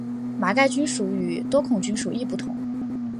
麻盖菌属与多孔菌属亦不同。